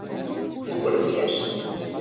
– Тупын киӓш...